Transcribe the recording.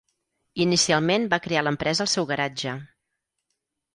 Inicialment va crear l'empresa al seu garatge.